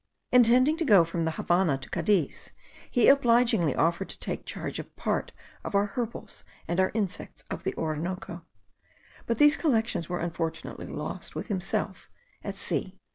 Intending to go from the Havannah to Cadiz, he obligingly offered to take charge of part of our herbals, and our insects of the Orinoco; but these collections were unfortunately lost with himself at sea.